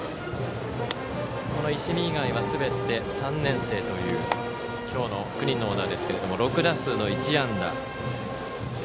石見以外はすべて３年生という今日の９人のオーダーですが６打数の１安打。